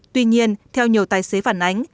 tuy nhiên theo nhiều tài xế phản ánh